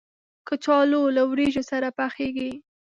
کچالو له وریجو سره پخېږي